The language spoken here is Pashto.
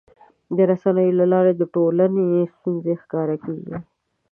د رسنیو له لارې د ټولنې ستونزې ښکاره کېږي.